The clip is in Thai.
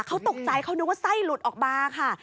เขาตกใจเขานึกว่าไส้หลุดออกมาค่ะ